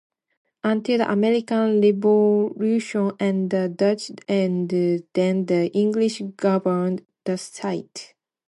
Until the American Revolution, the Dutch and then the English governed the site.